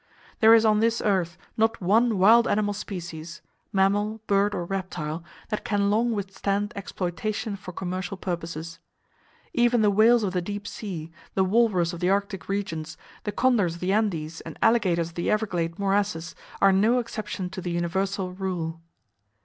There is on this earth not one wild animal species—mammal, bird or reptile—that can long withstand exploitation for commercial purposes. Even the whales of the deep sea, the walrus of the arctic regions, the condors of the Andes and alligators of the Everglade morasses are no exception to the universal rule.